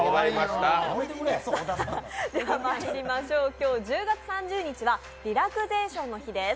今日１０月３０日はリラクゼーションの日です。